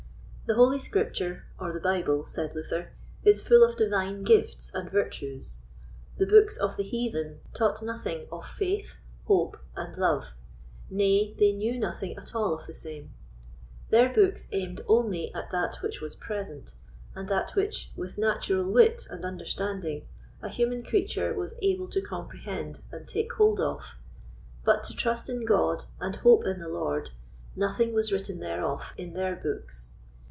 The Holy Scripture, or the Bible, said Luther, is full of divine gifts and virtues. The books of the Heathen taught nothing of Faith, Hope, and Love; nay, they knew nothing at all of the same; their books aimed only at that which was present, at that which, with natural wit and understanding, a human creature was able to comprehend and take hold of; but to trust in God and hope in the Lord, nothing was written thereof in their books.